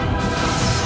aku akan menang